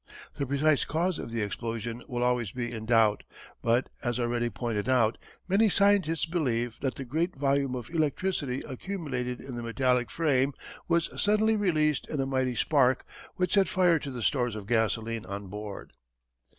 The precise cause of the explosion will always be in doubt, but, as already pointed out, many scientists believe that the great volume of electricity accumulated in the metallic frame was suddenly released in a mighty spark which set fire to the stores of gasoline on board.